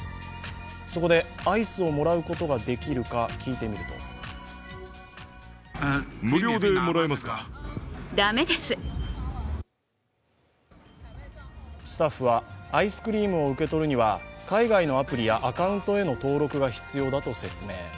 そこで、アイスをもらうことができるか聞いてみるとスタッフはアイスクリームを受け取るには海外のアプリやアカウントへの登録が必要だと説明。